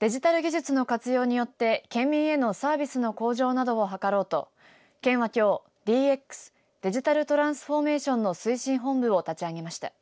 デジタル技術の活用によって県民へのサービスの向上などを図ろうと県はきょう、ＤＸデジタルトランスフォーメーションの推進本部を立ち上げました。